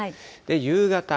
夕方。